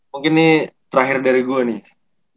mungkin ini terakhir dari gue nih